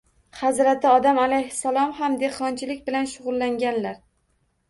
Hazrati Odam alayhissallom ham dehqonchilik bilan shug‘ullanganlar